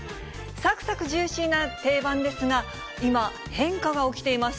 さくさくジューシーな定番ですが、今、変化が起きています。